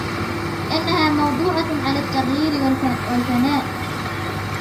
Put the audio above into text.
لِأَنَّهَا مَوْضُوعَةٌ عَلَى التَّغْيِيرِ وَالْفَنَاءِ